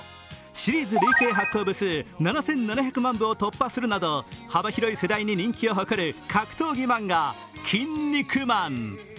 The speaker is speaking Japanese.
シリーズ累計発行部数７７００万部を突破するなど幅広い世代に人気を誇る格闘技漫画「キン肉マン」。